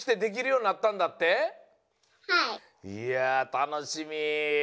いやたのしみ。